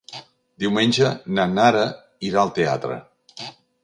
Diumenge na Nara irà al teatre.